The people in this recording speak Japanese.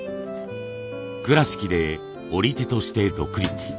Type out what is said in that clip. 倉敷で織り手として独立。